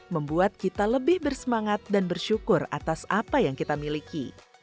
membuat kita lebih bersemangat dan bersyukur atas apa yang kita miliki